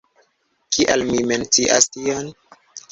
Kial mi mencias tion?